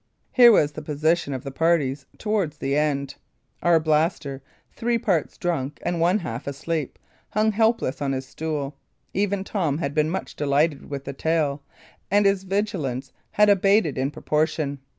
Here was the position of the parties towards the end: Arblaster, three parts drunk and one half asleep, hung helpless on his stool. Even Tom had been much delighted with the tale, and his vigilance had abated in proportion.